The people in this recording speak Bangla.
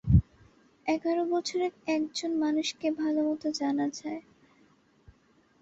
এগার বছরে এক জন মানুষকে ভালোমতো জানা যায়।